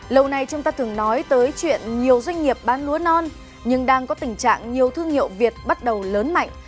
lâu nay chúng ta thường nói tới chuyện nhiều doanh nghiệp bán lúa non nhưng đang có tình trạng nhiều thương hiệu việt bắt đầu lớn mạnh